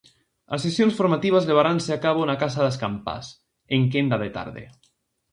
As sesións formativas levaranse a cabo na Casa das Campás en quenda de tarde.